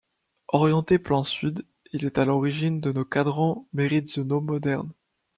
Orienté plein sud, il est à l'origine de nos cadrans méridionaux modernes.